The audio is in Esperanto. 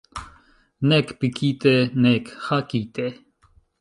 Nek pikite, nek hakite.